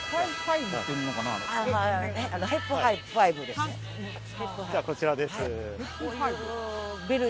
ではこちらです。